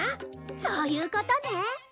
そういうことね。